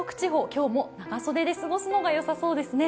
今日も長袖で過ごすのがよさそうですね。